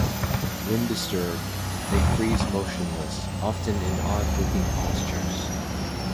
When disturbed, they freeze motionless, often in odd-looking postures.